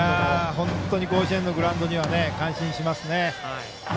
本当に甲子園のグラウンドには感心しますね。